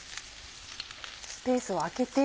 スペースを空けて。